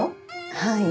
はい。